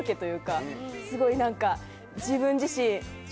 すごい何か。